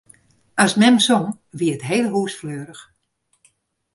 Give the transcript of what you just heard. As mem song, wie it hiele hûs fleurich.